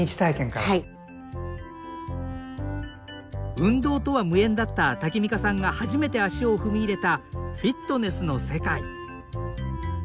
運動とは無縁だったタキミカさんが初めて足を踏み入れたフィットネスの世界。